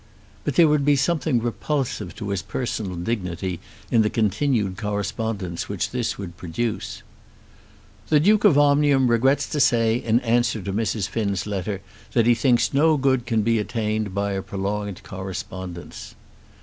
But there would be something repulsive to his personal dignity in the continued correspondence which this would produce. "The Duke of Omnium regrets to say, in answer to Mrs. Finn's letter, that he thinks no good can be attained by a prolonged correspondence."